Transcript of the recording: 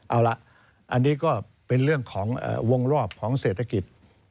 เอาละอันนี้ก็เป็นเรื่องของวงรอบของเศรษฐกิจ